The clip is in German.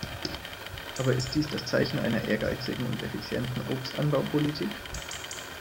Aber ist dies das Zeichen einer ehrgeizigen und effizienten Obstanbaupolitik?